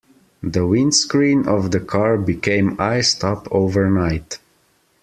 The windscreen of the car became iced up overnight.